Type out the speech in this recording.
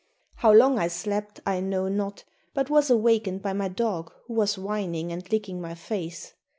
How long I slept I know not, but was awakened by my dog who was whining and licking my face.